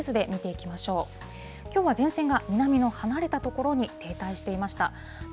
きょうは前線が南の離れた所に停滞していました。